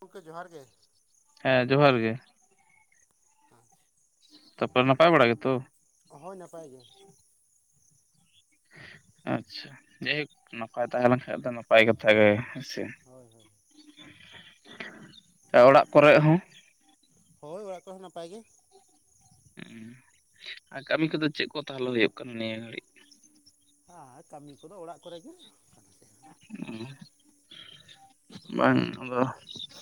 ᱜᱚᱝᱠᱮ ᱡᱚᱦᱟᱨ ᱜᱮ ᱦᱮᱸ ᱡᱚᱦᱟᱨ ᱜᱮ ᱟᱪᱪᱷᱟ ᱛᱟᱯᱚᱨᱮ ᱱᱟᱯᱟᱭ ᱵᱟᱲᱟ ᱜᱮᱛᱚ ᱦᱳᱭ ᱱᱟᱯᱟᱭ ᱜᱮ ᱟᱪᱪᱷᱟ ᱡᱟᱭ ᱦᱳᱠ ᱱᱟᱯᱟᱭ ᱛᱟᱦᱮᱸ ᱞᱮᱱᱠᱷᱟᱡ ᱫᱚ ᱱᱟᱯᱟᱭ ᱠᱟᱛᱷᱟ ᱜᱮ ᱦᱮᱸᱥᱮ ᱦᱳᱭ ᱦᱳᱭ ᱚᱲᱟᱜ ᱠᱚᱨᱮ ᱦᱚᱸ ᱦᱳᱭ ᱚᱲᱟᱜ ᱠᱚᱨᱮ ᱦᱚᱸᱱᱟᱯᱟᱭ ᱜᱮ ᱟᱨ ᱠᱟᱹᱢᱤ ᱠᱚᱫᱚ ᱪᱮᱫ ᱠᱚ ᱛᱟᱦᱞᱮ ᱦᱳᱭᱳᱜ ᱠᱟᱱᱟ ᱱᱤᱭᱟᱹ ᱜᱷᱟᱹᱲᱤᱡ ᱟᱨ ᱠᱟᱹᱢᱤ ᱠᱚᱫᱚ ᱚᱲᱟᱜ ᱠᱚᱨᱮ ᱜᱮ ᱚ ᱵᱟᱝ ᱟᱫᱚ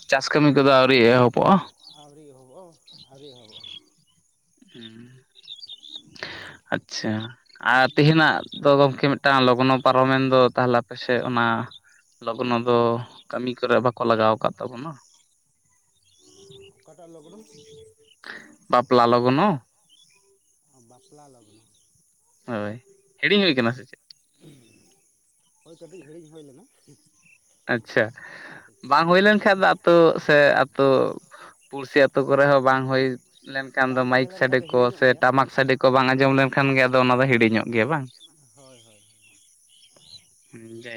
ᱪᱟᱥ ᱠᱟᱹᱢᱤ ᱠᱚᱫᱚ ᱟᱹᱣᱨᱤ ᱮᱦᱚᱵᱚᱜᱼᱟ ᱟᱣᱨᱤ ᱮᱦᱚᱵᱚᱜᱟ ᱟᱣᱨᱤ ᱮᱦᱚᱵᱚᱜᱟ ᱦᱩᱸ ᱟᱪᱪᱷᱟ ᱟᱨ ᱛᱮᱦᱮᱧᱟᱜ ᱫᱚ ᱜᱚᱝᱠᱮ ᱢᱤᱫ ᱴᱟᱝ ᱞᱚᱜᱱᱚ ᱯᱟᱨᱚᱢ ᱮᱱ ᱫᱚ ᱛᱟᱦᱞᱮ ᱟᱯᱮ ᱥᱮᱫ ᱚᱱᱟ ᱞᱚᱜᱱᱚ ᱫᱚ ᱠᱟᱹᱢᱤ ᱠᱚᱨᱮ ᱵᱟᱠᱚ ᱞᱟᱜᱟᱣ ᱟᱠᱟᱫ ᱛᱟᱵᱚᱱᱟ ᱚᱠᱟ ᱴᱟᱜ ᱞᱚᱜᱱᱚ ᱵᱟᱯᱞᱟ ᱞᱚᱜᱱᱚ ᱵᱟᱯᱞᱟ ᱞᱚᱜᱱᱚ ᱦᱳᱭ ᱦᱤᱲᱤᱧ ᱦᱩᱭ ᱟᱠᱟᱱᱟ ᱥᱮ ᱪᱮᱫ ᱦᱳᱭ ᱠᱟᱹᱴᱤᱡ ᱦᱤᱲᱤᱧ ᱦᱳᱭ ᱞᱮᱱᱟ ᱟᱪᱪᱷᱟ ᱵᱟᱝ ᱦᱳᱭ ᱞᱮᱱ ᱠᱷᱟᱡ ᱫᱚ ᱟᱛᱳ ᱥᱮ ᱟᱛᱳ [unintelligible] ᱯᱩᱲᱥᱤ ᱟᱛᱳ ᱚᱱᱟ ᱠᱚᱨᱮ ᱵᱟᱯ ᱦᱚᱸ ᱵᱟᱝ ᱦᱳᱭ ᱞᱮᱱᱠᱷᱟᱱ ᱫᱚ ᱵᱟᱝ ᱛᱟᱦᱮᱸ ᱢᱟᱭᱤᱠ ᱞᱮᱱᱠᱷᱟᱱ ᱥᱟᱸᱰᱮ ᱫᱚ ᱠᱚ ᱦᱤᱲᱤᱧᱚᱜ ᱥᱮ ᱜᱮᱭᱟ ᱴᱟᱢᱟᱠ ᱥᱟᱸᱰᱮ ᱠᱚ ᱠᱚ ᱵᱟᱝ ᱟᱸᱡᱚᱢ ᱞᱮᱱᱠᱷᱟᱱ ᱜᱮ ᱟᱫᱚ ᱚᱱᱟ ᱫᱚ ᱦᱤᱲᱤᱧ ᱚᱜᱼᱟ ᱦᱳᱭ ᱦᱳᱭ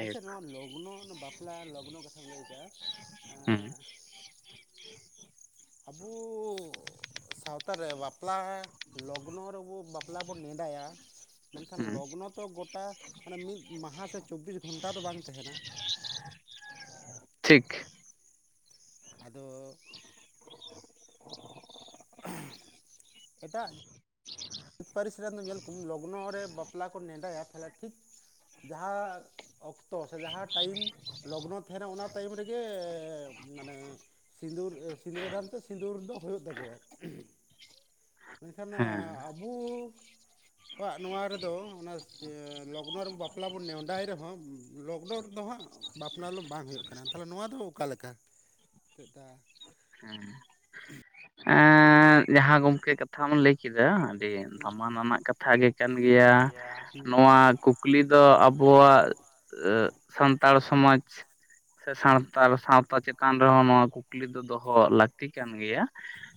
ᱟᱪᱪᱷᱟ ᱱᱚᱣᱟ ᱞᱚᱜᱱᱚ ᱵᱟᱯᱞᱟ [unintelligible] ᱞᱚᱜᱱᱚ ᱠᱟᱛᱷᱟᱢ ᱞᱟᱹᱭ ᱠᱮᱜᱟ ᱦᱩᱸ ᱟᱵᱩᱼ ᱥᱟᱶᱛᱟ ᱨᱮ ᱵᱟᱯᱞᱟ ᱞᱚᱜᱱᱚ ᱨᱮᱵᱚ ᱵᱟᱯᱞᱟ ᱵᱚ ᱱᱮᱰᱟᱭᱟ ᱢᱮᱱᱠᱷᱟᱱ ᱦᱩᱸ ᱞᱚᱜᱱᱚ ᱛᱚ ᱜᱚᱴᱟ ᱢᱟᱱᱮ ᱢᱤᱫ ᱢᱟᱦᱟ ᱥᱮ ᱪᱚᱵᱵᱤᱥ ᱜᱷᱚᱱᱴᱟ ᱫᱚ ᱵᱟᱝ ᱛᱟᱦᱮᱱᱟ ᱴᱷᱤᱠ ᱟᱫᱚ [unintelligible] ᱮᱴᱟᱜ ᱮᱴᱟᱜ ᱯᱟᱹᱨᱤᱥ ᱨᱮᱱ ᱫᱚ ᱧᱮᱞ ᱠᱚᱢ ᱞᱚᱜᱱᱚ ᱨᱮ ᱵᱟᱯᱞᱟ ᱠᱚ ᱱᱮᱰᱟᱭᱼᱟ ᱛᱟᱦᱞᱮ ᱴᱷᱤᱠ ᱡᱟᱸᱦᱟ ᱚᱠᱛᱚ ᱥᱮ ᱡᱟᱸᱦᱟ ᱴᱟᱭᱤᱢ ᱞᱚᱜᱱᱚ ᱛᱟᱦᱮᱱᱟ ᱚᱱᱟ ᱴᱟᱭᱤᱢ ᱨᱮᱜᱮ ᱢᱟᱱᱮ ᱥᱤᱸᱫᱩᱨ ᱥᱤᱸᱫᱨᱟᱹ ᱫᱟᱱ ᱥᱮ ᱥᱤᱸᱫᱩᱨ ᱫᱚ ᱦᱳᱭᱳᱜ ᱛᱟᱠᱚᱣᱟ [unintelligible] ᱢᱮᱱᱠᱷᱟᱱ ᱦᱮᱸ ᱟᱵᱩ ᱟᱵᱚᱣᱟᱜ ᱱᱚᱣᱟ ᱨᱮᱫᱚ ᱚᱱᱟ ᱞᱚᱜᱱᱚ ᱨᱮ ᱵᱟᱯᱞᱟ ᱵᱚᱱ ᱱᱮᱰᱟᱭ ᱨᱮᱦᱚᱸ ᱞᱚᱜᱱᱚ ᱨᱮ ᱫᱚ ᱦᱟᱸᱜ ᱵᱟᱯᱞᱟ ᱫᱚ ᱵᱟᱝ ᱦᱳᱭᱳᱜ ᱠᱟᱱᱟ ᱛᱟᱦᱞᱮ ᱱᱚᱣᱟ ᱫᱚ ᱚᱠᱟᱞᱮ ᱞᱮᱠᱟ [unintelligible] ᱦᱮᱸ ᱡᱟᱦᱟᱸ ᱜᱚᱝᱠᱮ ᱠᱟᱛᱷᱟᱢ ᱞᱟᱹᱭ ᱠᱮᱫ ᱠᱮᱫᱟ ᱟᱹᱰᱤ ᱫᱟᱢᱟᱱᱟᱱᱟᱜ ᱠᱟᱛᱷᱟ ᱜᱮ ᱠᱟᱱ ᱜᱮᱭᱟ ᱱᱚᱣᱟ ᱠᱩᱠ ᱠᱩᱠᱞᱤ ᱫᱚ ᱟᱵᱚᱣᱟᱜ ᱥᱟᱱᱛᱟᱲ ᱥᱚᱢᱟᱡᱽ ᱥᱮ ᱥᱟᱱᱛᱟᱲ ᱥᱟᱶᱛᱟ ᱪᱮᱛᱟᱱ ᱨᱮᱦᱚᱸ ᱱᱚᱣᱟ ᱠᱩᱠᱞᱤ ᱫᱚ ᱫᱚᱦᱚ ᱞᱟᱹᱠᱛᱤ ᱠᱟᱱ ᱜᱮᱭᱟ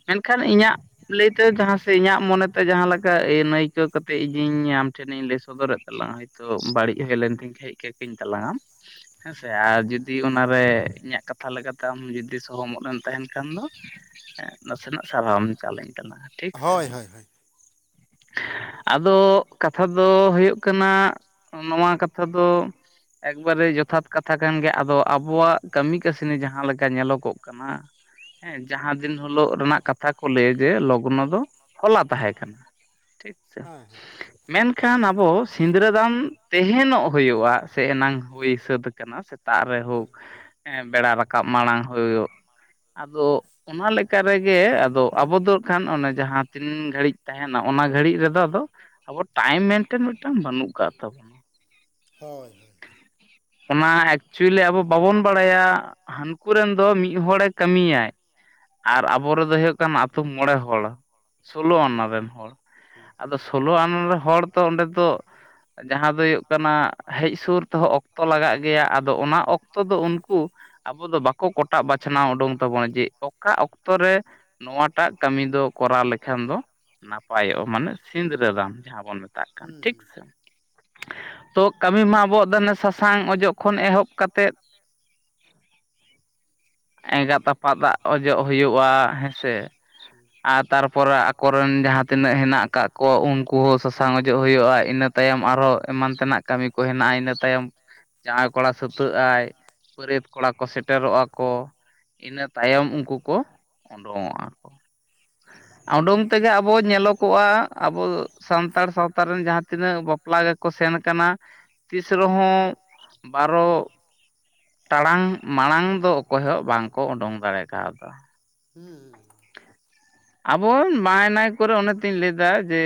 ᱢᱮᱱᱠᱷᱟᱱ ᱤᱧᱟᱹᱜ ᱞᱟᱹᱭᱛᱮ ᱡᱟᱦᱟᱸ ᱥᱮ ᱤᱧᱟᱹᱜ ᱢᱚᱱᱮᱛᱮ ᱡᱟᱦᱟᱸ ᱞᱮᱠᱟ ᱟᱹᱱᱟᱹᱭᱠᱟᱹᱣ ᱠᱟᱛᱮ ᱤᱧᱤᱧ ᱟᱢ ᱴᱷᱮᱱᱤᱧ ᱞᱟᱹᱭ ᱥᱚᱫᱚᱨᱮᱫ ᱛᱟᱞᱟᱝ-ᱟ ᱛᱚ ᱵᱟᱹᱲᱤᱡ ᱦᱩᱭ ᱞᱮᱱ ᱛᱤᱧ ᱠᱷᱟᱡ ᱠᱤᱧ ᱛᱟᱞᱟᱝᱟᱢ ᱦᱮᱸᱥᱮ ᱟᱨ ᱡᱩᱫᱤ ᱚᱱᱟᱨᱮ ᱤᱧᱟᱹᱜ ᱠᱟᱛᱷᱟ ᱞᱮᱠᱟᱛᱮ ᱟᱢ ᱡᱩᱫᱤ ᱥᱚᱦᱚᱢᱚᱜ ᱮᱢ ᱛᱟᱦᱮᱸᱱ ᱠᱷᱟᱱ ᱫᱚ ᱱᱟᱥᱮᱱᱟᱜ ᱥᱟᱨᱦᱟᱣᱢ ᱪᱟᱞ ᱟᱹᱧ ᱛᱟᱞᱟᱝ-ᱟ ᱴᱷᱤᱠ ᱥᱮ ᱦᱳᱭ ᱦᱳᱭ ᱦᱳᱭ [inaudible] ᱟᱫᱚ ᱠᱟᱛᱷᱟ ᱫᱚ ᱦᱳᱭᱳᱜ ᱠᱟᱱᱟ ᱱᱚᱣᱟ ᱠᱟᱛᱷᱟ ᱫᱚ ᱮᱠ ᱵᱟᱨᱮ ᱡᱚᱛᱷᱟᱛ ᱠᱟᱛᱷᱟ ᱠᱟᱱ ᱜᱮᱭᱟ ᱟᱫᱚ ᱟᱵᱚᱣᱟᱜ ᱠᱟᱹᱢᱤ ᱠᱟᱹᱥᱱᱤ ᱡᱟᱸᱦᱟ ᱞᱮᱠᱟ ᱧᱮᱞᱚᱜ ᱜᱚᱜ ᱠᱟᱱᱟ ᱦᱮᱸ ᱡᱟᱦᱟᱸ ᱫᱤᱱ ᱦᱤᱞᱳᱜ ᱨᱮᱱᱟᱜ ᱠᱟᱛᱷᱟ ᱠᱚ ᱞᱟᱹᱭᱟ ᱡᱮ ᱞᱚᱜᱱᱚ ᱫᱚ ᱦᱚᱞᱟ ᱛᱟᱦᱮᱸ ᱠᱟᱱᱟ ᱴᱷᱤᱠ ᱥᱮ ᱦᱮᱸ ᱦᱮᱸ ᱢᱮᱱᱠᱷᱟᱱ ᱟᱵᱚ ᱥᱤᱸᱫᱽᱨᱟᱹᱫᱟᱱ ᱛᱮᱦᱮᱱᱚᱜ ᱦᱩᱭᱩᱜᱼᱟ ᱥᱮ ᱮᱱᱟᱝ ᱦᱩᱭ ᱥᱟᱹᱛ ᱠᱟᱱᱟ ᱥᱮᱛᱟᱜ ᱨᱮ ᱦᱳᱭ ᱦᱮᱸ ᱵᱮᱲᱟ ᱨᱟᱠᱟᱵ ᱢᱟᱲᱟᱝ ᱦᱩᱭᱩᱜ ᱟᱫᱚ ᱚᱱᱟ ᱦᱮᱸ ᱞᱮᱠᱟ ᱨᱮᱜᱮ ᱟᱫᱚ ᱟᱵᱚ ᱫᱚ ᱦᱟᱸᱜ ᱠᱷᱟᱱ ᱚᱱᱮ ᱡᱟᱦᱟᱸ ᱛᱤᱱ ᱜᱷᱟᱹᱲᱤᱡ ᱛᱟᱦᱮᱸᱱᱟ ᱚᱱᱟ ᱜᱷᱟᱹᱲᱤᱡ ᱨᱮᱫᱚ ᱟᱫᱚ ᱟᱵᱚ ᱴᱟᱭᱤᱢ ᱢᱮᱱᱴᱮᱱ ᱢᱤᱫᱴᱟᱱ ᱵᱟᱹᱱᱩᱜ ᱠᱟᱜ ᱛᱟᱵᱚᱱᱟ ᱦᱳᱭ ᱦᱳᱭ ᱚᱱᱟ ᱮᱠᱪᱩᱭᱮᱞᱤ ᱟᱵᱚ ᱵᱟᱵᱚᱱ ᱵᱟᱲᱟᱭᱟ ᱦᱟᱹᱱᱠᱩ ᱨᱮᱱ ᱫᱚ ᱢᱤᱫ ᱦᱚᱲᱮ ᱠᱟᱹᱢᱤᱭᱟᱭ ᱟᱨ ᱟᱵᱚ ᱨᱮᱱᱫᱚ ᱦᱩᱭᱩᱜ ᱠᱟᱱᱟ ᱟᱹᱛᱩᱳ ᱢᱚᱸᱬᱮ ᱦᱚᱲ ᱥᱳᱞᱳ ᱟᱱᱟ ᱦᱮᱸ ᱨᱮᱱ ᱦᱚᱲ ᱟᱫᱚ ᱥᱳᱞᱳ ᱟᱱᱟ ᱨᱮᱱ ᱦᱚᱲ ᱛᱚ ᱚᱸᱰᱮ ᱫᱚ ᱡᱟᱦᱟᱸ ᱫᱚ ᱦᱩᱭᱩᱜ ᱠᱟᱱᱟ ᱦᱮᱡ ᱥᱩᱨ ᱛᱮᱦᱚᱸ ᱚᱠᱛᱚ ᱞᱟᱜᱟᱜ ᱜᱮᱭᱟ ᱟᱫᱚ ᱚᱱᱟ ᱚᱠᱛᱚ ᱫᱚ ᱩᱱᱠᱩ ᱟᱵᱚ ᱫᱚ ᱵᱟᱠᱚ ᱠᱚᱴᱟᱜ ᱵᱟᱪᱷᱱᱟᱣ ᱩᱰᱩᱠ ᱛᱟᱵᱚᱱᱟ ᱡᱮ ᱚᱠᱟ ᱚᱠᱛᱚ ᱨᱮ ᱱᱚᱣᱟᱴᱟᱜ ᱠᱟᱹᱢᱤ ᱫᱚ ᱠᱚᱨᱟᱣ ᱞᱮᱠᱷᱟᱱ ᱫᱚ ᱱᱟᱯᱟᱭᱚᱜᱼᱟ ᱢᱟᱱᱮ ᱥᱤᱸᱫᱽᱨᱟᱹ ᱫᱟᱱ ᱡᱟᱦᱟᱸ ᱵᱚᱱ ᱢᱮᱛᱟᱜ ᱢᱮᱛᱟᱜ ᱠᱟᱱ ᱦᱮᱸ ᱴᱷᱤᱠᱥᱮ ᱛᱚ ᱠᱟᱹᱢᱤ ᱢᱟ ᱟᱵᱚ ᱟᱜ ᱫᱚ ᱱᱳᱣᱟ ᱥᱟᱥᱟᱝ ᱚᱡᱚᱜ ᱠᱷᱚᱱ ᱮᱛᱚᱦᱚᱵ ᱠᱟᱛᱮᱫ ᱮᱸᱜᱟᱛ ᱟᱯᱟᱛ ᱟᱜ ᱚᱡᱚᱜ ᱦᱩᱭᱩᱜᱼᱟ ᱦᱳᱭᱥᱮ ᱦᱮᱸ ᱟᱨ ᱛᱟᱨᱯᱚᱨᱮ ᱠᱚᱨᱮᱱ ᱡᱟᱦᱟᱸ ᱛᱤᱱᱟᱹᱜ ᱦᱮᱱᱟᱜ ᱟᱠᱟᱫ ᱠᱚᱣᱟ ᱩᱱᱠᱩ ᱦᱚᱸ ᱥᱟᱥᱟᱝ ᱚᱡᱚᱜ ᱦᱩᱭᱩᱜᱼᱟ ᱤᱱᱟᱹ ᱛᱟᱭᱚᱢ ᱟᱨᱦᱚᱸ ᱮᱢᱟᱱ ᱛᱮᱱᱟᱜ ᱠᱟᱹᱢᱤ ᱠᱚ ᱦᱮᱱᱟᱜᱼᱟ ᱤᱱᱟᱹ ᱛᱟᱭᱚᱢ ᱡᱟᱢᱟᱸᱭ ᱠᱚᱲᱟ ᱥᱟᱹᱛᱟᱹᱜᱼᱟᱭ ᱵᱟᱹᱨᱭᱟᱹᱛ ᱠᱚᱲᱟ ᱠᱚ ᱥᱮᱴᱮᱨᱚᱜᱼᱟ ᱠᱚ ᱤᱱᱟᱹ ᱛᱟᱭᱚᱢ ᱩᱱᱠᱩ ᱠᱚ ᱳᱰᱩᱝᱚᱜᱼᱟ ᱠᱚ ᱩᱰᱳᱝ ᱛᱮᱜᱮ ᱟᱵᱚ ᱧᱮᱞᱚᱜᱚᱜᱼᱟ ᱟᱵᱚ ᱥᱟᱱᱛᱟᱲ ᱥᱟᱶᱛᱟ ᱨᱮᱱ ᱡᱟᱦᱟᱸ ᱛᱤᱱᱟᱹᱜ ᱵᱟᱯᱞᱟ ᱜᱮᱠᱚ ᱥᱮᱱ ᱠᱟᱱᱟ ᱛᱤᱥ ᱨᱮᱦᱚᱸ ᱵᱟᱨᱚ ᱢᱟᱲᱟᱝ ᱢᱟᱲᱟᱝ ᱫᱚ ᱚᱠᱚᱭ ᱦᱚᱸ ᱵᱟᱝᱠᱚ ᱩᱰᱩᱝ ᱫᱟᱲᱮ ᱠᱟᱣᱫᱟ ᱦᱮᱸ ᱦᱮᱸ ᱟᱵᱚᱨᱮᱱ ᱱᱟᱭ ᱱᱟᱭ ᱠᱚᱨᱮ ᱚᱱᱮ ᱛᱤᱧ ᱞᱟᱹᱭᱫᱟ ᱡᱮ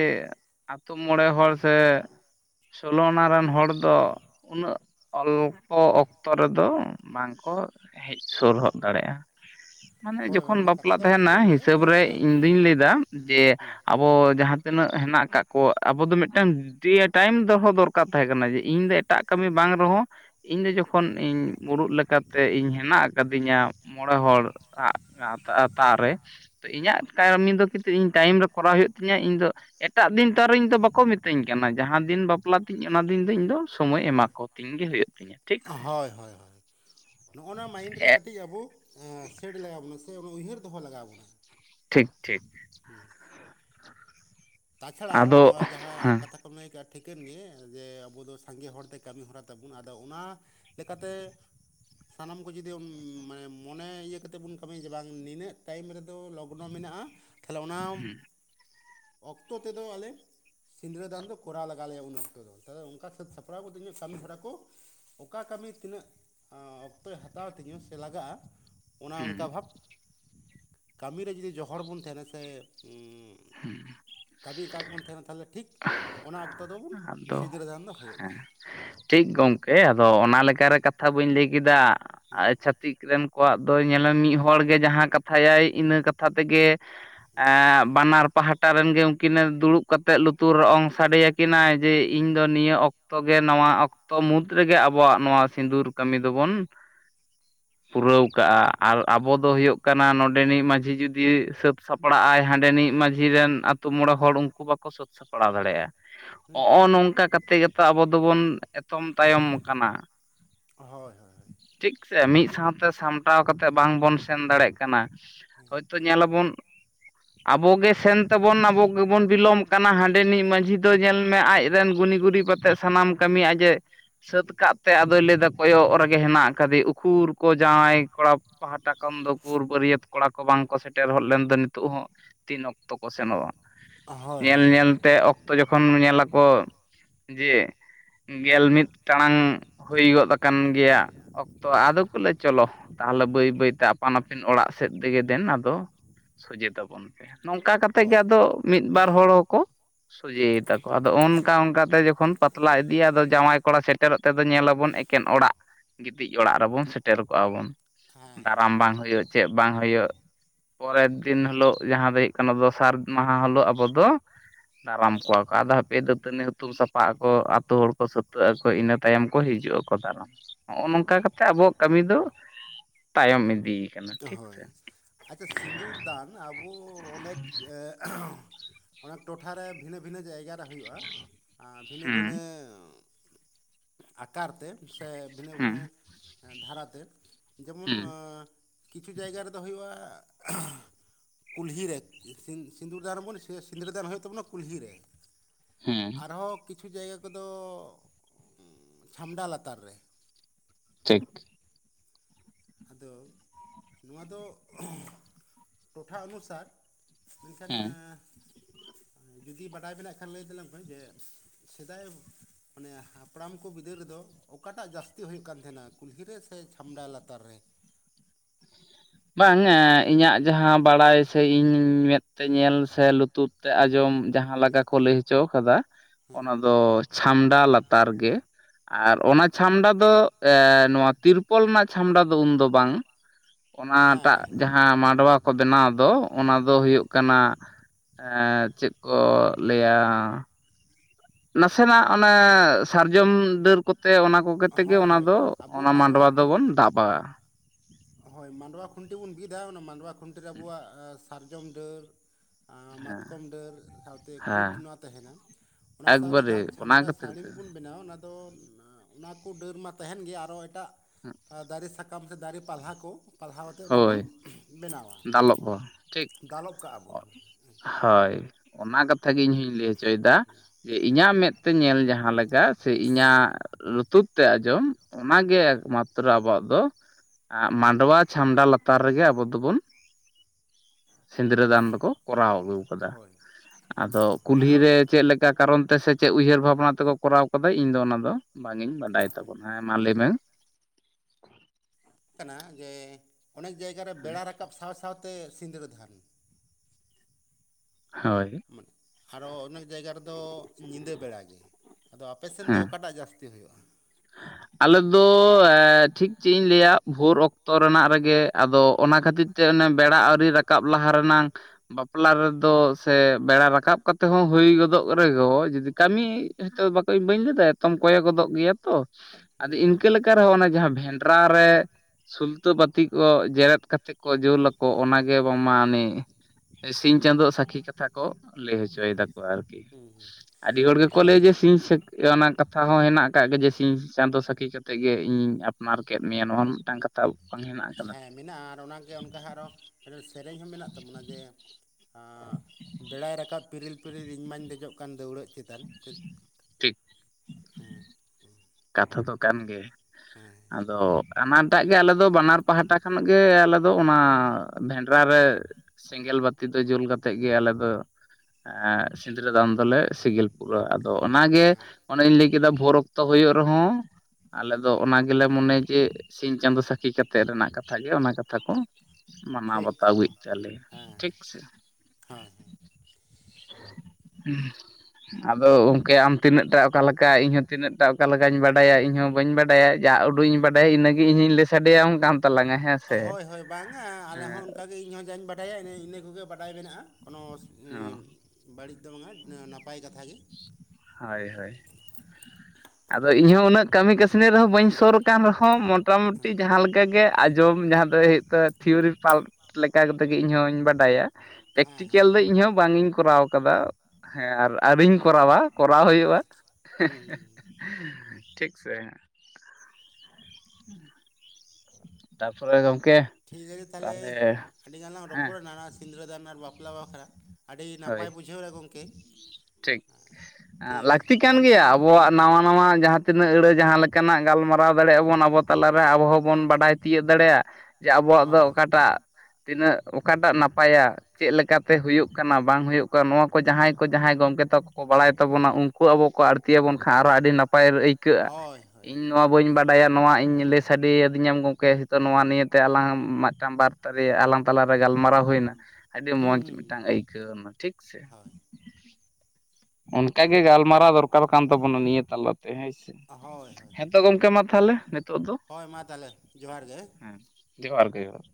ᱟᱹᱛᱳ ᱢᱚᱸᱬᱮ ᱦᱚᱲ ᱥᱮ ᱥᱳᱞᱳᱟᱱᱟ ᱨᱮᱱ ᱦᱚᱲ ᱫᱚ ᱩᱱᱟᱹᱜ ᱚᱞᱯᱚ ᱚᱠᱛᱚ ᱨᱮᱫᱚ ᱵᱟᱝᱠᱚ ᱦᱮᱡ ᱥᱩᱨᱦᱚᱫ ᱫᱟᱲᱮᱭᱟᱜᱼᱟ ᱢᱟᱱᱮ ᱦᱳᱭ ᱡᱚᱠᱷᱚᱱ ᱚᱱᱟ ᱠᱟᱛᱷᱟ ᱵᱟᱯᱞᱟ ᱫᱚ ᱛᱟᱦᱮᱸᱱᱟ ᱴᱷᱤᱠᱟᱹᱱ ᱜᱮᱭᱟ ᱦᱤᱥᱟᱹᱵ ᱨᱮ ᱤᱧ ᱫᱩᱧ ᱞᱟᱹᱭᱫᱟ ᱡᱮ ᱟᱵᱚ ᱡᱟᱦᱟᱸ ᱛᱤᱱᱟᱹᱜ ᱦᱮᱱᱟᱜ ᱟᱠᱟᱫ ᱠᱚ ᱟᱵᱚ ᱫᱚ ᱢᱤᱫᱴᱟᱝ ᱴᱟᱭᱤᱢ ᱫᱚᱦᱚ ᱫᱚᱨᱠᱟᱨ ᱛᱟᱦᱮᱸ ᱠᱟᱱᱟ ᱡᱮ ᱤᱧ ᱫᱚ ᱮᱴᱟᱜ ᱠᱟᱹᱢᱤ ᱵᱟᱝ ᱨᱮᱦᱚᱸ ᱤᱧ ᱫᱚ ᱡᱚᱠᱷᱚᱱ ᱤᱧ ᱢᱩᱲᱩᱫ ᱞᱮᱠᱟᱛᱮ ᱤᱧ ᱦᱮᱱᱟᱜ ᱟᱠᱟᱫᱤᱧᱟ ᱢᱚᱸᱬᱮ ᱦᱚᱲ ᱟᱣᱛᱟ ᱨᱮ ᱤᱧᱟᱹᱜ ᱛᱟᱭᱚᱢ ᱧᱤᱫᱟᱹ ᱠᱤᱱᱛᱩ ᱤᱧ ᱴᱟᱭᱤᱢ ᱨᱮ ᱠᱚᱨᱟᱣ ᱦᱩᱭᱩᱜ ᱛᱤᱧᱟᱹ ᱤᱧ ᱫᱚ ᱮᱴᱟᱜ ᱫᱤᱱ ᱛᱚ ᱟᱨ ᱤᱧ ᱫᱚ ᱵᱟᱠᱚ ᱢᱤᱛᱟᱹᱧ ᱠᱟᱱᱟ ᱡᱟᱦᱟᱸ ᱫᱤᱱ ᱵᱟᱯᱞᱟ ᱛᱤᱧ ᱚᱱᱟ ᱫᱤᱱ ᱫᱚ ᱤᱧ ᱫᱚ ᱥᱚᱢᱚᱭ ᱮᱢᱟ ᱠᱚ ᱛᱤ ᱤᱧ ᱜᱮ ᱦᱩᱭᱩᱜ ᱛᱤᱧᱟ᱾ ᱦᱳᱭ ᱦᱳᱭ ᱦᱳᱭ ᱱᱚᱜᱼᱱᱟ ᱢᱟᱭᱤᱱᱰ ᱨᱮ ᱠᱟᱹᱴᱤᱡ ᱟᱵᱚ ᱮᱸ ᱥᱮᱴ ᱞᱟᱜᱟᱣᱵᱚᱱᱟ ᱥᱮ ᱩᱭᱦᱟᱹᱨ ᱫᱚᱦᱚ ᱞᱟᱜᱟᱣ ᱵᱚᱱᱟ᱾ ᱴᱷᱤᱠ ᱴᱷᱤᱠ ᱦᱩᱸ ᱛᱟᱪᱷᱟᱲᱟ ᱟᱫᱚ ᱱᱚᱣᱟ ᱡᱟᱦᱟᱸ ᱦᱮᱸ ᱠᱟᱛᱷᱟ ᱞᱟᱹᱭ ᱠᱮᱜᱼᱟ ᱴᱷᱤᱠᱟᱹᱱ ᱜᱮ ᱡᱮ ᱟᱵᱚ ᱫᱚ ᱥᱟᱸᱜᱮ ᱦᱚᱲᱛᱮ ᱠᱟᱹᱢᱤ ᱦᱚᱨᱟ ᱛᱟᱵᱚᱱ ᱟᱫᱚ ᱚᱱᱟ ᱞᱮᱠᱟᱛᱮ ᱥᱟᱱᱟᱢ ᱠᱚ ᱡᱩᱫᱤ ᱩᱱ ᱢᱟᱱᱮ ᱢᱚᱱᱮ ᱤᱭᱟᱹ ᱠᱟᱛᱮᱜ ᱵᱚᱱ ᱠᱟᱹᱢᱤᱭᱟ ᱡᱮ ᱵᱟᱝ ᱱᱤᱱᱟᱹᱜ ᱴᱟᱭᱤᱢ ᱨᱮᱫᱚ ᱫᱚ ᱞᱚᱜᱱᱚ ᱢᱮᱱᱟᱜᱼᱟ, ᱛᱟᱦᱞᱮ ᱚᱱᱟ ᱦᱮᱸ ᱚᱠᱛᱚ ᱛᱮᱫᱚ ᱟᱞᱮ ᱥᱤᱸᱫᱽᱨᱟᱹ ᱫᱟᱱ ᱫᱚ ᱠᱚᱨᱟᱣ ᱞᱟᱜᱟᱣ ᱞᱮᱭᱟ ᱩᱱ ᱚᱠᱛᱚ ᱫᱚ ᱛᱟᱦᱞᱮ ᱚᱝᱠᱟ ᱥᱟᱹᱛ ᱥᱟᱯᱲᱟᱣ ᱠᱟᱫᱟᱹᱧ ᱠᱟᱹᱢᱤᱦᱚᱨᱟ ᱠᱚ ᱚᱠᱟ ᱠᱟᱹᱢᱤ ᱛᱤᱱᱟᱹᱜ ᱚᱠᱛᱚᱭ ᱦᱟᱛᱟᱣ ᱛᱤᱧᱟᱹ ᱥᱮ ᱞᱟᱜᱟᱜᱼᱟ᱾ ᱚᱱᱟ ᱦᱮᱸ ᱚᱱᱠᱟ ᱵᱷᱟᱵᱽ ᱠᱟᱹᱢᱤᱨᱮ ᱡᱩᱫᱤ ᱡᱚᱦᱚᱲ ᱵᱚᱱ ᱛᱟᱦᱮᱱᱟ ᱥᱮ [inaudible] ᱠᱟᱹᱢᱤ ᱠᱟᱡ ᱵᱚᱱ ᱛᱟᱦᱮᱱᱟ ᱛᱟᱦᱞᱮ ᱴᱷᱤᱠ ᱚᱱᱟ ᱚᱠᱛᱚ ᱫᱚᱵᱚᱱ ᱟᱫᱚ ᱥᱤᱸᱤᱫᱨᱟᱹ ᱫᱟᱱ ᱫᱚ ᱦᱩᱭᱩᱜ ᱜᱮᱭᱟ᱾ ᱦᱮᱸ ᱴᱷᱤᱠ ᱜᱚᱝᱠᱮ ᱟᱫᱚ ᱚᱱᱟᱞᱠᱟᱨᱮ ᱠᱟᱛᱷᱟ ᱵᱟᱹᱧ ᱞᱟᱹᱭ ᱠᱮᱫᱟ ᱦᱮᱸ ᱪᱷᱟᱛᱤᱠ ᱨᱮᱱ ᱠᱚᱣᱟᱜ ᱫᱚ ᱧᱮᱞᱮ ᱢᱤᱫ ᱦᱚᱲ ᱜᱮ ᱡᱟᱦᱟᱸ ᱠᱟᱛᱷᱟᱭᱟᱭ ᱤᱱᱟᱹ ᱠᱟᱛᱷ ᱛᱷᱟ ᱛᱮᱜᱮ ᱮᱸ ᱵᱟᱱᱟᱨ ᱯᱟᱦᱴᱟ ᱨᱮᱱ ᱜᱮ ᱩᱝᱠᱤᱱᱮ ᱫᱩᱲᱩᱵ ᱠᱟᱛᱮᱜ ᱞᱩᱛᱩᱨ ᱚᱝ ᱥᱟᱰᱮᱭᱟᱠᱤᱱᱟᱭ ᱡᱮ ᱤᱧ ᱫᱚ ᱱᱤᱭᱟᱹ ᱚᱠ ᱛᱚ ᱜᱮ ᱱᱚᱣᱟ ᱚᱠᱛᱚ ᱢᱩᱫᱽ ᱨᱮᱜᱮ ᱟᱵᱚᱣᱟᱜ ᱱᱚᱣᱟ ᱥᱤᱸᱫᱩᱨ ᱠᱟᱹᱢᱤ ᱫᱚᱵᱚᱱ ᱯᱩᱨᱟᱹᱣ ᱠᱟᱜᱼᱟ, ᱟᱨ ᱟᱵᱚ ᱫᱚ ᱦᱩᱭᱩᱜ ᱠᱟᱱᱟ ᱱᱚᱸᱰᱮᱱᱤᱡ ᱢᱟᱺᱡᱷᱤ ᱡᱩᱫᱤ ᱥᱟᱹᱛ ᱥᱟᱯᱲᱟᱜᱼᱟᱭ ᱦᱟᱸᱰᱮᱱᱤᱡ ᱢᱟᱺᱡ ᱡᱷᱤ ᱨᱮᱱ ᱟᱹᱛᱩ ᱢᱚᱬᱮ ᱦᱚᱲ ᱩᱝᱠᱩ ᱵᱟᱠᱚ ᱥᱟᱹᱛ ᱥᱟᱯᱲᱟᱣ ᱫᱟᱲᱮᱭᱟᱜᱼᱟ ᱦᱮᱸ ᱦᱮᱸ ᱦᱚᱜᱼᱚ ᱦᱮᱸ ᱱᱚᱝᱠᱟ ᱠᱟᱛᱮ ᱜᱮ ᱛᱟ ᱟᱵᱚ ᱫᱚᱵᱚᱱ ᱮᱛᱚᱢ ᱛᱟᱭᱚᱢ ᱠᱟᱱᱟ᱾ ᱦᱳᱭ ᱦᱳᱭ ᱦᱳᱭ ᱴᱷᱤᱠᱥᱮ ᱢᱤᱫ ᱥᱟᱶᱛᱮ ᱥᱟᱢᱴᱟᱣ ᱠᱟᱛᱮᱜ ᱵᱟᱝᱵᱚᱱ ᱥᱮᱱ ᱫᱟᱲᱮᱜ ᱠᱟᱱᱟ᱾ ᱦᱚᱭ ᱛᱚ ᱧᱮᱞᱟᱵᱚᱱ ᱟᱵᱚᱜ ᱜᱮ ᱥᱮᱱ ᱛᱮᱵᱚᱱ ᱟᱵᱚ ᱜᱮᱵᱚᱱ ᱵᱤᱞᱚᱢ ᱠᱟᱱᱟ ᱦᱟᱸᱰᱮᱱᱤᱡ ᱢᱟᱺᱡᱷᱤ ᱫᱚ ᱧᱮᱞ ᱢᱮ ᱟᱡ ᱨᱮᱱ ᱜᱩᱱᱤᱜᱩᱨᱤ ᱯᱟᱛ ᱛᱮᱜ ᱥᱟᱱᱟᱢ ᱠᱟᱹᱢᱤ ᱟᱡ ᱡᱮ ᱥᱟᱹᱛ ᱠᱟᱜ ᱛᱮ ᱟᱫᱚᱭ ᱞᱟᱹᱭᱫᱟ ᱠᱚᱭᱚᱜ ᱨᱮᱜᱮ ᱦᱮᱱᱟᱜ ᱠᱟᱫᱮ ᱩᱠᱩᱨ ᱠᱚ ᱡᱟᱶᱟᱭ ᱠᱚᱲᱟ ᱯᱟᱦᱴᱟ ᱠᱷᱚᱱ ᱫᱚ ᱩᱜᱩᱨ ᱵᱟᱹᱨᱭᱟᱹᱛ ᱠᱚᱲᱟ ᱠᱚ ᱵᱟᱝ ᱠᱚ ᱥᱮᱴᱮᱨ ᱦᱚᱫ ᱞᱮᱱ ᱫᱚ ᱱᱤᱛᱚᱜ ᱦᱚᱸ ᱛᱤᱱ ᱚᱠ ᱛᱚ ᱠᱚ ᱥᱮᱱᱚᱜᱼᱟ ᱦᱳᱭ ᱧᱮᱞ ᱧᱮᱞᱛᱮ ᱦᱮᱸ ᱦᱮᱸ ᱚᱠᱛᱚ ᱡᱚᱠᱷᱚᱱ ᱧᱮᱞᱟᱠᱚ ᱡᱮ ᱜᱮᱞ ᱢᱤᱫ ᱴᱟᱲᱟᱝ ᱦᱩᱭ ᱜᱚᱫ ᱟᱠᱟᱱ ᱜᱮᱭᱟ ᱚᱠᱛᱚ ᱟᱫᱚ ᱠᱚ ᱞᱟᱹᱭᱟ ᱪᱚᱞᱚ᱾ ᱛᱟᱦᱚᱞᱮ ᱵᱟᱹᱭ ᱵᱟᱹᱭᱛᱮ ᱟᱯᱟᱱ ᱟᱹᱯᱤᱱ ᱚᱲᱟᱜ ᱥᱮᱫ ᱛᱮᱜᱮ ᱫᱮᱱ ᱟᱫᱚ ᱥᱚᱡᱷᱮ ᱛᱟᱵᱚᱱ ᱯᱮ᱾ ᱱᱚᱝᱠᱟ ᱦᱳᱭ ᱦᱳᱭ ᱠᱟᱛᱮᱜ ᱜᱮ ᱦᱳᱭ ᱦᱳᱭ ᱟᱫᱚ ᱢᱤᱫ ᱵᱟᱨ ᱦᱚᱲ ᱦᱚᱸᱠᱚ᱾ ᱥᱚᱡᱷᱮᱭ ᱛᱟᱠᱚ ᱟᱫᱚ ᱚᱱᱠᱟ ᱚᱝᱠᱟᱛᱮ ᱡᱚᱠᱷᱚᱱ ᱯᱟᱛᱞᱟ ᱤᱫᱤᱭᱟ ᱟᱫᱚ ᱡᱟᱶᱟᱭ ᱠᱚᱲᱟ ᱥᱮᱴᱮᱨᱚᱜ ᱛᱮᱫᱚ ᱧᱮᱞᱟᱵᱚᱱ ᱮᱠ ᱠᱮᱱ ᱚᱲᱟᱜ ᱜᱤᱛᱤᱡ ᱚᱲᱟᱜ ᱨᱮᱵᱚᱱ ᱥᱮᱴᱮᱨ ᱠᱚᱜᱼᱟ ᱵᱚᱱ᱾ ᱦᱮᱸ ᱦᱮᱸ ᱫᱟᱨᱟᱢ ᱵᱟᱝ ᱦᱩᱭᱩᱜ ᱪᱮᱜ ᱵᱟᱝ ᱦᱩᱭᱩᱜ ᱯᱚᱨᱮᱨ ᱫᱤᱱ ᱦᱳᱞᱳᱜ ᱡᱟᱦᱟᱸ ᱫᱚ ᱠᱟᱱᱟ ᱫᱚᱥᱟᱨ ᱢᱟᱦᱟ ᱦᱳᱞᱳᱜ ᱟᱵᱚ ᱫᱚ ᱫᱟᱨᱟᱢ ᱠᱚᱣᱟ ᱠᱚ ᱟᱫᱚ ᱦᱟᱯᱮ ᱫᱟᱹᱛᱟᱹᱱᱤ ᱦᱩᱛᱩᱢ ᱥᱟᱯᱷᱟᱜ ᱟᱠᱚ ᱟᱛᱳ ᱦᱚᱲ ᱠᱚ ᱥᱟᱹᱛᱟᱹᱜ ᱟᱠᱚ ᱤᱱᱟᱹ ᱛᱟᱭᱚᱢ ᱠᱚ ᱦᱤᱡᱩᱜ ᱟᱠᱚ᱾ ᱠᱚ ᱫᱟᱨᱟᱢ ᱦᱚᱜᱼᱚ ᱱᱚᱝᱠᱟ ᱠᱟᱛᱮ ᱟᱵᱚᱣᱟᱜ ᱠᱟᱹᱢᱤ ᱫᱚ ᱛᱟᱭᱚᱢ ᱤᱫᱤ ᱠᱟᱱᱟ ᱴᱷᱤᱠ ᱥᱮ ᱦᱳᱭ ᱟᱪᱪᱷᱟ ᱥᱤᱸᱫᱩᱨ ᱫᱟᱱ ᱟᱵᱚ ᱚᱱᱮᱠ ᱮ ᱚᱱᱮᱠ ᱴᱚᱴᱷᱟᱨᱮ ᱵᱷᱤᱱᱟᱹ ᱵᱷᱤᱱᱟᱹ ᱡᱟᱭᱜᱟᱨᱮ ᱦᱩᱭᱩᱜᱼᱟ, ᱟᱸ ᱵᱷᱤᱱᱟᱹ ᱦᱮᱸ ᱵᱷᱤᱱᱟᱹ ᱟᱠᱟᱨ ᱛᱮ ᱥᱮ ᱵᱷᱤᱱᱟᱹ ᱦᱮᱸ ᱵᱷᱤᱱᱟᱹ ᱫᱷᱟᱨᱟᱛᱮ ᱡᱮᱢᱚᱱ ᱦᱮᱸ ᱮᱸ ᱠᱤᱪᱷᱩ ᱡᱟᱭᱜᱟ ᱨᱮᱫᱚ ᱦᱩᱭᱩᱜᱼᱟ ᱠᱩᱞᱦᱤ ᱨᱮ ᱥᱤᱸ ᱥᱤᱸᱫᱩᱨ ᱫᱟᱱᱟᱵᱚᱱ ᱥᱮ ᱥᱤᱸᱤᱫᱨᱟᱹᱫᱟᱱ ᱦᱩᱭᱳᱜ ᱛᱟᱵᱚᱱᱟ ᱠᱩᱞᱦᱤᱨᱮ᱾ ᱦᱮᱸ ᱟᱨᱦᱚᱸ ᱠᱤᱪᱷᱩ ᱡᱟᱭᱜᱟ ᱠᱚᱫᱚ ᱩᱸ ᱪᱷᱟᱢᱰᱟ ᱞᱟᱛᱟᱨ ᱨᱮ᱾ ᱴᱷᱤᱠ ᱟᱫᱚ ᱱᱚᱣᱟ ᱫᱚ ᱴᱚᱴᱷᱟ ᱚᱱᱩᱥᱟᱨ ᱢᱮᱱᱠᱷᱟᱱ ᱦᱮᱸ ᱡᱩᱫᱤ ᱵᱟᱰᱟᱭ ᱢᱮᱱᱟᱜ ᱠᱷᱟᱱ ᱞᱟᱹᱭ ᱫᱟᱞᱟᱝ ᱠᱷᱟᱱ ᱡᱮ ᱥᱮᱫᱟᱭ ᱢᱟᱱᱮ ᱦᱟᱯᱲᱟᱢ ᱠᱚ ᱵᱤᱫᱟᱹᱞ ᱨᱮᱫᱚ ᱚᱠᱟᱴᱟᱜ ᱡᱟᱹᱥᱛᱤ ᱦᱩᱭᱩᱜ ᱠᱟᱱ ᱛᱟᱦᱮᱱᱟ ᱠᱩᱞᱦᱤᱨ ᱨᱮ ᱥᱮ ᱪᱷᱟᱢᱰᱟ ᱞᱟᱛ ᱞᱟᱛᱟᱨ ᱨᱮ ᱵᱟᱝ ᱤᱧᱟᱹᱜ ᱡᱟᱦᱟᱸ ᱵᱟᱲᱟᱭ ᱥᱮ ᱤᱧ ᱢᱮᱫ ᱛᱮ ᱧᱮᱞ ᱥᱮ ᱞᱩᱛᱩᱨ ᱛᱮ ᱟᱸᱡᱚᱢ ᱡᱟᱦᱟᱸ ᱞᱮᱠᱟ ᱠᱚ ᱞᱟᱹᱭ ᱦᱚᱪᱚ ᱠᱟᱫᱟ ᱦᱮᱸ ᱚᱱᱟ ᱫᱚ ᱪᱷᱟᱢᱰᱟ ᱞᱟᱛᱟᱨ ᱜᱮ ᱟᱨ ᱚᱱᱟ ᱪᱷᱟᱢᱰᱟ ᱫᱚ ᱱᱚᱣᱟ ᱛᱤᱨᱯᱚᱞ ᱨᱮᱱᱟᱜ ᱪᱷᱟᱢᱰᱟ ᱫᱚ ᱩᱱᱫᱚ ᱵᱟᱝ ᱦᱮᱸ ᱚᱱᱟᱴᱟᱜ ᱦᱮᱸ ᱡᱟᱦᱟᱸ ᱢᱟᱰᱚᱣᱟ ᱠᱚ ᱵᱮᱱᱟᱣ ᱫᱚ ᱚᱱᱟ ᱫᱚ ᱦᱩᱭᱩᱜ ᱠᱟᱱᱟ ᱪᱮᱫ ᱠᱚ ᱞᱟᱹᱭᱟ ᱱᱟᱥᱮᱱᱟᱜ ᱚᱱᱮ ᱥᱟᱨᱡᱚᱢ ᱰᱟᱹᱨ ᱠᱚᱛᱮ ᱚᱱᱟ ᱠᱚᱜᱮ ᱛᱮᱜᱮ ᱦᱳᱭ ᱚᱱᱟ ᱦᱳᱭ ᱫᱚ ᱟᱵᱚ ᱚᱱᱟ ᱢᱟᱰᱣᱟ ᱠᱷᱚᱱ ᱫᱚᱵᱚᱱ ᱫᱟᱵᱟᱼᱟ ᱦᱳᱭ ᱢᱟᱰᱣᱟ ᱠᱷᱩᱱᱴᱤ ᱵᱤᱱ ᱵᱤᱫ ᱟ ᱚᱱᱟ ᱢᱟᱰᱣᱟ ᱠᱷᱩᱱᱴᱤ ᱨᱮ ᱟᱵᱚᱣᱟᱜ ᱥᱟᱨᱡᱚᱢ ᱰᱟᱹᱨ ᱦᱮᱸ ᱢᱟᱛᱠᱚᱢ ᱰᱟᱹᱨ ᱥᱟᱶᱛᱮ ᱠᱩᱛ ᱦᱮᱸ ᱱᱚᱣᱟ ᱛᱟᱦᱮᱱᱟ ᱚᱱᱟ ᱥᱟᱶᱛᱮ ᱮᱠᱵᱟᱨᱮ ᱡᱟᱦᱟᱸ ᱚᱱᱟ ᱪᱷᱟᱢᱰᱟ ᱠᱷᱟᱹᱛᱤᱨ ᱥᱟᱹᱲᱤᱢ ᱛᱮ ᱵᱩᱱ ᱵᱮᱱᱟ ᱚᱱᱟ ᱫᱚ ᱚᱱᱟ ᱠᱚ ᱰᱟᱹᱨ ᱢᱟ ᱛᱟᱦᱮᱱ ᱜᱮᱭᱟ ᱟᱨᱚ ᱮᱴᱟᱜ ᱫᱟᱨᱮ ᱥᱟ ᱠᱟᱢ ᱥᱮ ᱫᱟᱨᱮ ᱯᱟᱞᱦᱟ ᱠᱚ ᱯᱟᱞᱦᱟ ᱟᱛᱮ ᱚᱱᱟ ᱵᱚᱱ ᱦᱳᱭ ᱵᱮᱱᱟᱣᱟ ᱫᱟᱞᱚᱵ ᱵᱚ ᱴᱷᱤᱠ ᱫᱟᱞᱚᱵ ᱠᱟᱜᱼᱟ ᱵᱚᱱ ᱦᱳᱭ ᱦᱳᱭ ᱚᱱᱟ ᱠᱟᱛᱷᱟ ᱜᱮ ᱤᱧ ᱦᱚᱧ ᱞᱟᱹᱭ ᱦᱚᱪᱚᱭᱮᱫᱟ ᱡᱮ ᱤᱧᱟᱹᱜ ᱢᱮᱫ ᱛᱮ ᱧᱮᱞ ᱡᱟᱦᱟᱸ ᱞᱮᱠᱟ ᱥᱮ ᱤᱧᱟᱹᱜ ᱞᱩᱛᱩᱨ ᱛᱮ ᱟᱸᱡᱚᱢ ᱚᱱᱟᱜᱮ ᱮᱠᱢᱟᱛᱨᱚ ᱟᱵᱚᱣᱟᱜ ᱫᱚ ᱢᱟᱰᱣᱟ ᱪᱷᱟᱢᱰᱟ ᱞᱟᱛᱟᱨ ᱨᱮᱜᱮ ᱟᱵᱚ ᱫᱚᱵᱚᱱ ᱥᱤᱸᱫᱽᱨᱟᱹᱫᱟᱱ ᱫᱚᱠᱚ ᱠᱚᱨᱟᱣ ᱟᱹᱜᱩ ᱠᱟᱫᱟ ᱦᱳᱭ ᱟᱫᱚ ᱠᱩᱞᱦᱤ ᱟᱨᱦᱚᱸ ᱨᱮ ᱪᱮᱫ ᱞᱮᱠᱟ ᱪᱮᱫᱠᱟ ᱠᱟᱨᱚᱱ ᱛᱮ ᱥᱮ ᱪᱮᱫ ᱩᱭᱦᱟᱹᱨ ᱵᱷᱟᱵᱽᱱᱟ ᱛᱮᱠᱚ ᱠᱚᱨᱟᱣ ᱠᱟᱫᱟ ᱤᱧ ᱫᱚ ᱚᱱᱟ ᱫᱚ ᱵᱟᱝ ᱤᱧ ᱵᱟᱰᱟᱭ ᱛᱟᱵᱚᱱᱟ ᱢᱟ ᱞᱟᱹᱭ ᱢᱮ ᱠᱟᱱᱟ ᱡᱮ ᱚᱱᱮᱠ ᱡᱟᱭᱜᱟ ᱨᱮ ᱵᱮᱲᱟ ᱨᱟᱠᱟᱵ ᱥᱟᱶ ᱥᱟᱶᱛᱮ ᱥᱤᱸᱫᱽᱨᱟᱹᱫᱟᱱ ᱦᱳᱭ ᱢᱟᱱᱮ ᱟᱨᱚ ᱚᱱᱮᱠ ᱡᱟᱭᱜᱟ ᱨᱮᱫᱚ ᱧᱤᱫᱟᱹ ᱵᱮᱲᱟ ᱜᱮ ᱟᱫᱚ ᱟᱯᱮᱥᱮᱱ ᱫᱚ ᱚᱠᱟᱴᱟᱜ ᱡᱟᱹᱥᱛᱤ ᱦᱩᱭᱩᱜᱼᱟ ᱟᱞᱮᱫᱚ ᱴᱷᱤᱠ ᱪᱮᱜ ᱤᱧ ᱞᱟᱹᱭ ᱟ ᱵᱷᱳᱨ ᱚᱠᱛᱚ ᱨᱮᱱᱟᱜ ᱨᱮᱜᱮ ᱟᱫᱚ ᱚᱱᱟ ᱠᱷᱟᱹᱛᱤᱨ ᱛᱮ ᱚᱱᱮ ᱵᱮᱲᱟ ᱟᱹᱣᱨᱤ ᱨᱟᱠᱟᱵ ᱞᱟᱦᱟ ᱨᱮᱱᱟᱝ ᱵᱟᱯᱞᱟ ᱨᱮᱫᱚ ᱥᱮ ᱵᱮᱲᱟ ᱨᱟᱠᱟᱵ ᱠᱟᱛᱮ ᱦᱚᱸ ᱦᱩᱭ ᱜᱚᱫᱚᱜ ᱨᱮᱦᱚᱸ ᱡᱩᱫᱤ ᱠᱟᱹᱢᱤ ᱵᱟᱠᱚ ᱵᱟᱹᱧ ᱞᱟᱹᱭᱫᱟ ᱮᱛᱚᱢ ᱠᱚᱸᱭᱮ ᱜᱚᱫᱚᱜ ᱜᱮᱭᱟ ᱛᱚ ᱟᱫᱚ ᱦᱩᱸ ᱦᱩᱸ ᱤᱱᱠᱟᱹ ᱞᱮ ᱠᱟᱨᱮ ᱟᱨᱚ ᱚᱱᱮ ᱡᱟᱦᱟᱸ ᱵᱷᱮᱱᱰᱨᱟ ᱨᱮ ᱥᱩᱞᱛᱟᱹ ᱵᱟᱹᱛᱤ ᱠᱚ ᱡᱮᱨᱮᱫ ᱠᱟᱛᱮ ᱠᱚ ᱡᱩᱞ ᱟᱠᱚ ᱚᱱᱟ ᱜᱮ ᱵᱟᱝᱢᱟ ᱩᱱᱤ ᱥᱤᱧ ᱪᱟᱸᱫᱳ ᱟᱜ ᱥᱟᱹᱠᱷᱤ ᱠᱟᱛᱷᱟ ᱠᱚ ᱞᱟᱹᱭ ᱦᱚᱪᱚᱭ ᱫᱟᱠᱚ ᱟᱨᱠᱤ ᱦᱩᱸ ᱦᱩᱸ ᱟᱹᱰᱤ ᱦᱚᱲ ᱠᱟᱛᱷᱟ ᱜᱮᱠᱚ ᱫᱚ ᱞᱟᱹᱭᱟ ᱡᱮ ᱴᱷᱤᱠ ᱥᱤᱧ ᱚᱱᱟ ᱠᱟᱛᱷᱟ ᱦᱚᱸ ᱦᱮᱱᱟᱜ ᱠᱟᱜ ᱜᱮ ᱡᱮ ᱥᱤᱧ ᱪᱟᱸᱫᱚ ᱥᱟᱹᱠᱷᱤ ᱠᱟᱛᱮᱜ ᱜᱮ ᱤᱧᱤᱧ ᱟᱯᱱᱟᱨ ᱠᱮᱫ ᱢᱮᱭᱟ ᱱᱚᱣᱟ ᱢᱤᱫᱴᱟᱝ ᱠᱟᱛᱷᱟ [unintelligible] ᱦᱮᱱᱟᱜᱼᱟ ᱦᱮᱸ ᱢᱮᱱᱟᱜᱼᱟ ᱟᱨ ᱚᱱᱟᱜᱮ ᱚᱱᱠᱟ ᱟᱨᱚ ᱥᱮᱨᱮᱧ ᱦᱚᱸ ᱢᱮᱱᱟᱜ ᱛᱟᱵᱚᱱᱟ ᱡᱮ ᱵᱮᱲᱟᱭ ᱨᱟᱠᱟᱵ ᱯᱤᱨᱤᱞ ᱯᱮᱨᱤᱞ ᱤᱧ ᱢᱟᱧ ᱫᱮᱡᱚᱜ ᱠᱟᱱ ᱫᱟᱹᱣᱲᱟᱹ ᱪᱮᱛᱟᱱ ᱦᱮᱸ ᱴᱷᱤᱠ ᱠᱟᱛᱷᱟ ᱫᱚ ᱠᱟᱱ ᱜᱮ ᱦᱮᱸ ᱟᱫᱚ ᱚᱱᱟ ᱴᱟᱜ ᱜᱮ ᱟᱞᱮᱫᱚ ᱵᱟᱱᱟᱨ ᱯᱟᱦᱴᱟ ᱠᱷᱱᱟᱜ ᱜᱮ ᱟᱞᱮᱫᱚ ᱚᱱᱟ ᱵᱷᱮᱱᱰᱨᱟ ᱨᱮ ᱥᱮᱸᱜᱮᱞ ᱵᱟᱹᱛᱤ ᱫᱚ ᱡᱩᱞ ᱠᱟᱛᱮᱜ ᱜᱮ ᱟᱞᱮ ᱫᱚ ᱥᱤᱸᱫᱽᱨᱟᱹᱫᱟᱱ ᱫᱚᱞᱮ ᱯᱩᱨᱟᱹ ᱟᱫᱚ ᱚᱱᱟᱜᱮ ᱦᱮᱸ ᱚᱱᱮᱧ ᱞᱟᱹᱭ ᱠᱮᱫᱟ ᱵᱷᱳᱨ ᱚᱠᱛᱚ ᱦᱩᱭᱩᱜ ᱨᱮᱦᱚᱸ ᱟᱞᱮ ᱫᱚ ᱚᱱᱟᱜᱮ ᱜᱮᱞᱮ ᱢᱚᱱᱮᱭᱟ ᱡᱮ ᱥᱤᱧ ᱪᱟᱸᱫᱳ ᱥᱟᱹᱠᱷᱤ ᱠᱟᱛᱮᱜ ᱨᱮᱱᱟᱜ ᱠᱟᱛᱷᱟ ᱜᱮ ᱚᱱᱟ ᱠᱟᱛᱷᱟ ᱠᱚ ᱢᱟᱱᱟᱣ ᱴᱷᱤᱠ ᱵᱟᱛᱟᱣ ᱴᱷᱤᱠ ᱟᱜᱩᱭᱮᱫ ᱛᱟᱞᱮᱭᱟ ᱦᱮᱸ ᱦᱮᱸ ᱴᱷᱤᱠ ᱥᱮ ᱦᱳᱭ ᱦᱳᱭ ᱦᱩᱸ ᱟᱫᱚ ᱜᱚᱢᱠᱮ ᱟᱢ ᱛᱤᱱᱟᱹᱜᱴᱟ ᱚᱠᱟ ᱞᱮᱠᱟ ᱤᱧ ᱦᱚᱸ ᱛᱤᱱᱟᱹᱜᱴᱟ ᱚᱠᱟ ᱞᱮᱠᱟᱧ ᱵᱟᱰᱟᱭᱟ ᱤᱧᱦᱚᱸ ᱵᱟᱹᱧ ᱵᱟᱰᱟᱭᱟ ᱡᱟ ᱩᱰᱩᱧ ᱵᱟᱰᱟᱭ ᱟ ᱤᱱᱟᱹᱜᱮ ᱤᱧᱦᱚᱧ ᱞᱟᱹᱭ ᱥᱟᱰᱮᱭᱟᱢ ᱠᱟᱱ ᱛᱟᱞᱟᱝᱟ ᱦᱮᱸ ᱥᱮ ᱦᱳᱭ ᱦᱳᱭ ᱵᱟᱝᱟ ᱟᱞᱮ ᱦᱚᱸ ᱦᱮᱸ ᱚᱱᱠᱟᱜ ᱜᱮ ᱤᱧᱦᱚᱸ ᱡᱟᱧ ᱵᱟᱰᱟᱭᱟ ᱤᱱᱟᱹ ᱠᱚᱜᱮ ᱵᱟᱰᱟᱭ ᱢᱮᱱᱟᱜ-ᱟ ᱠᱚᱱᱚ ᱵᱟᱹᱲᱤᱡ ᱫᱚ ᱵᱟᱝᱟ ᱱᱟᱯᱟᱭ ᱠᱟᱛᱷᱟ ᱜᱮ ᱦᱳᱭ ᱦᱳᱭ ᱟᱫᱚ ᱤᱧᱦᱚᱸ ᱩᱱᱟᱹᱜ ᱠᱟᱹᱢᱤ ᱠᱟᱹᱥᱱᱤ ᱨᱮᱦᱚᱸ ᱵᱟᱹᱧ ᱥᱩᱨ ᱠᱟᱱ ᱨᱮᱦᱚᱸ ᱢᱚᱴᱟᱢᱩᱴᱤ ᱡᱟᱦᱟᱸ ᱞᱮᱠᱟ ᱜᱮ ᱟᱸᱡᱚᱢ ᱡᱟᱦᱟᱸ ᱫᱚ ᱦᱩᱭᱩᱜ ᱛᱟᱸᱦᱮᱫ ᱛᱷᱤᱭᱳᱨᱤᱠᱮᱞ ᱞᱮᱠᱟ ᱛᱮᱜᱮ ᱤᱧᱦᱚᱸᱧ ᱵᱟᱰᱟᱭᱟ ᱦᱮᱸ ᱦᱮᱸ ᱯᱮᱠᱴᱤᱠᱮᱞ ᱫᱚ ᱤᱧᱦᱚᱸ ᱵᱟᱝ ᱤᱧ ᱠᱚᱨᱟᱣ ᱠᱟᱫᱟ ᱦᱮᱸ ᱟᱨ ᱟᱹᱨᱤᱧ ᱠᱚᱨᱟᱣᱟ ᱠᱚᱨᱟᱣ ᱦᱩᱭᱩᱜᱼᱟ ᱟᱪᱪᱷᱟ ᱦᱩᱸ ᱦᱩᱸ ᱴᱷᱤᱠ ᱥᱮ ᱛᱟᱨᱯᱚᱨᱮ ᱜᱚᱝᱠᱮ ᱴᱷᱤᱠ ᱜᱟᱪᱷᱮ ᱛᱟᱦᱚᱞᱮ ᱟᱹᱰᱤᱜᱟᱱ ᱞᱟᱝ ᱨᱚᱯᱚᱲ ᱱᱟ ᱥᱤᱸᱝᱨᱟᱹ ᱫᱟᱱᱟ ᱵᱟᱯᱞᱟ ᱵᱟᱠᱷᱨᱟ ᱟᱹᱰᱤ ᱦᱳᱭ ᱱᱟᱯᱟᱭ ᱵᱩᱡᱷᱟᱹᱣ ᱮᱱᱟ ᱜᱚᱢᱠᱮ ᱴᱷᱤᱠ ᱦᱮᱸ ᱴᱷᱤᱠ ᱞᱟᱹᱠᱛᱤ ᱢᱟ ᱠᱟᱱ ᱜᱮᱭᱟ ᱮᱱᱠᱷᱟᱱ ᱟᱵᱚᱣᱟᱜ ᱱᱟᱣᱟ ᱱᱚᱣᱟ ᱢᱟ ᱡᱟᱦᱟᱸ ᱛᱤᱱᱟᱹᱜ ᱟᱹᱲᱟᱹ ᱡᱟᱦᱟᱸ ᱞᱮᱠᱟᱱᱟᱜ ᱜᱟᱞᱢᱟᱨᱟᱣ ᱫᱟᱲᱮᱭᱟᱜ-ᱟ ᱵᱚᱱ ᱟᱵᱚ ᱛᱟᱞᱟᱨᱮ ᱟᱵᱚ ᱦᱚᱸᱵᱚᱱ ᱵᱟᱰᱟᱭ ᱛᱤᱭᱟᱹᱜ ᱫᱟᱲᱮᱭᱟᱜ ᱡᱮ ᱟᱵᱚᱣᱟᱜ ᱫᱚ ᱦᱳᱭ ᱚᱠᱟᱴᱟᱜ ᱛᱤᱱᱟᱹᱜ ᱚᱠᱟᱴᱟᱜ ᱱᱟᱯᱟᱭᱟ ᱪᱮᱫ ᱞᱮᱠᱟᱛᱮ ᱦᱩᱭᱩᱜ ᱠᱟᱱᱟ ᱵᱟᱝ ᱦᱩᱭᱩᱜ ᱠᱟᱱ ᱱᱚᱣᱟ ᱠᱚ ᱡᱟᱦᱟᱸᱭ ᱠᱚ ᱡᱟᱦᱟᱸᱭ ᱜᱚᱢᱠᱮ ᱛᱟᱠᱚ ᱵᱟᱲᱟᱭ ᱛᱟᱵᱚᱱᱟ ᱩᱱᱠᱩ ᱟᱵᱚ ᱠᱚ ᱟᱹᱲ ᱛᱤᱭᱟᱵᱚᱱ ᱠᱷᱟᱱ ᱟᱨᱚ ᱟᱹᱰᱤ ᱱᱟᱯᱟᱭ ᱟᱹᱭᱠᱟᱹᱜ-ᱟ ᱦᱳᱭ ᱦᱳᱭ ᱦᱳᱭ ᱤᱧ ᱱᱚᱣᱟ ᱵᱟᱹᱧ ᱦᱳᱭ ᱵᱟᱰᱟᱭᱟ ᱱᱚᱣᱟ ᱤᱧ ᱦᱳᱭ ᱞᱟᱹ ᱥᱟᱰᱤ ᱟᱹᱫᱤᱧᱟᱢ ᱜᱚᱢᱠᱮ ᱦᱤᱛᱳ ᱱᱚᱣᱟ ᱱᱤᱭᱟᱹ ᱮᱛᱮ ᱟᱞᱟᱝ ᱢᱤᱫᱴᱟᱝ ᱵᱟᱛ ᱟᱨᱮ ᱟᱞᱟᱝ ᱛᱟᱞᱟᱨᱮ ᱜᱟᱞᱢᱟᱨᱟᱣ ᱦᱩᱭᱱᱟ ᱟᱹᱰᱤ ᱦᱩᱸ ᱢᱚᱸᱡ ᱦᱩᱸ ᱦᱩᱸ ᱢᱤᱫᱴᱟᱝ ᱟᱹᱭᱠᱟᱹᱣ ᱮᱱᱟ ᱴᱷᱤᱠ ᱥᱮ᱾ ᱦᱳᱭ ᱚᱱᱠᱟ ᱜᱮ ᱜᱟᱞᱢᱟᱨᱟᱣ ᱫᱚᱨᱠᱟᱨ ᱠᱟᱱ ᱛᱟᱵᱚᱱᱟ ᱱᱤᱭᱟᱹ ᱛᱟᱞᱟᱛ ᱦᱮᱸᱥᱮ ᱦᱳᱭ ᱦᱳᱭ ᱦᱮᱸᱛᱚ ᱜᱚᱝᱠᱮ ᱢᱟ ᱛᱷᱟᱞᱮ ᱱᱤᱛᱚᱜ ᱫᱚ ᱦᱳᱭ ᱢᱟ ᱛᱟᱦᱚᱞᱮ ᱡᱚᱦᱟᱨ ᱜᱮ ᱦᱮᱸ ᱾ ᱡᱚᱦᱟᱨ ᱜᱮ ᱡᱚᱦᱟᱨ ᱾